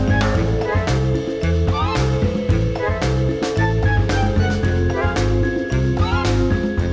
แล้วเขาก็เลยพามาให้อาหารลิงอะไรอย่างนี้ค่ะ